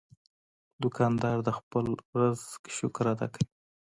دوکاندار د خپل رزق شکر ادا کوي.